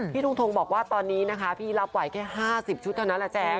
ทงทงบอกว่าตอนนี้นะคะพี่รับไว้แค่๕๐ชุดเท่านั้นแหละแจ๊ค